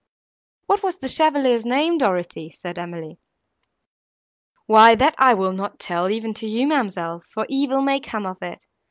"What was the chevalier's name, Dorothée?" said Emily. "Why that I will not tell even to you, ma'amselle, for evil may come of it.